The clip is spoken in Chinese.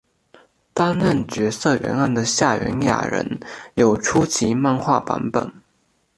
担任角色原案的夏元雅人有出其漫画版本。